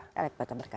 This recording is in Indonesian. caleg partai berkarya